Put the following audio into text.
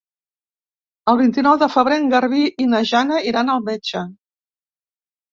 El vint-i-nou de febrer en Garbí i na Jana iran al metge.